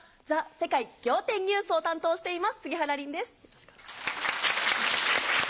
世界仰天ニュース』を担当しています杉原凜です。